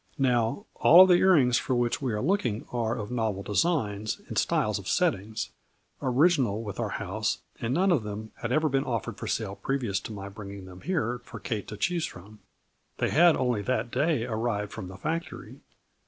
Now, all of the ear rings for which we are looking are of novel designs and styles of settings, original with our house, and none of them had ever been offered for sale previous to my bringing them here for Kate to choose from. They had only that day arrived from the factory.